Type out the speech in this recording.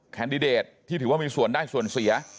แคนดิเดตที่ถือว่ามีส่วนได้ส่วนเสีย